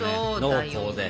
濃厚で。